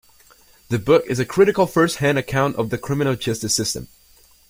The book is a critical first hand account of the criminal justice system.